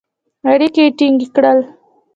اړیکي یې ټینګ کړل.